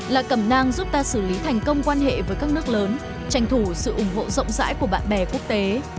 là cầm nang giúp ta xử lý thành công quan hệ với các nước lớn tranh thủ sự ủng hộ rộng rãi của bạn bè quốc tế